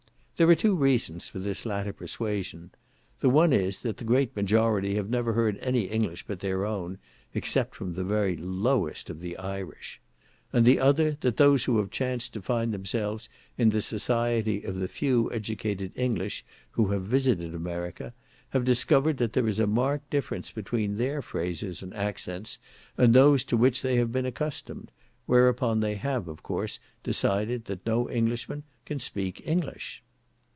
There are two reasons for this latter persuasion; the one is, that the great majority have never heard any English but their own, except from the very lowest of the Irish; and the other, that those who have chanced to find themselves in the society of the few educated English who have visited America, have discovered that there is a marked difference between their phrases and accents and those to which they have been accustomed, whereupon they have, of course, decided that no Englishman can speak English.